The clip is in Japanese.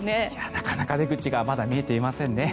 なかなか出口がまだ見えていませんね。